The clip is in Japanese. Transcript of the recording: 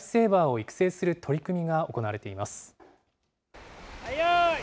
そのライフセーバーを育成する取り組みが行われている。